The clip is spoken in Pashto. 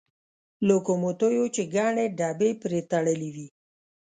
لوکوموتیو چې ګڼې ډبې پرې تړلې وې.